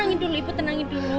ibu ibu tenangin dulu